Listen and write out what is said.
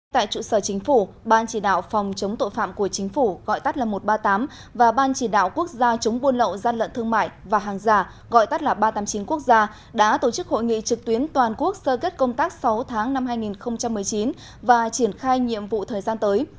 tại trụ sở chính phủ ban chỉ đạo phòng chống tội phạm của chính phủ gọi tắt là một trăm ba mươi tám và ban chỉ đạo quốc gia chống buôn lậu gian lận thương mại và hàng giả gọi tắt là ba trăm tám mươi chín quốc gia đã tổ chức hội nghị trực tuyến toàn quốc sơ kết công tác sáu tháng năm hai nghìn một mươi chín và triển khai nhiệm vụ thời gian tới